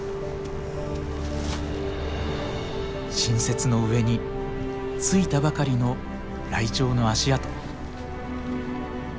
新雪の上についたばかりのライチョウの足跡。